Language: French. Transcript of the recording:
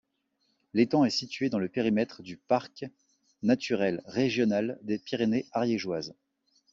L'étang est situé dans le périmètre du parc naturel régional des Pyrénées ariégeoises.